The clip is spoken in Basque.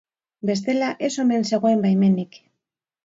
Bestela, ez omen zegoen baimenik.